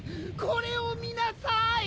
これを見なさい！